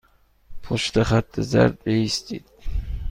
پشت خط زرد بایستید.